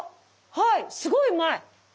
はいすごいうまい。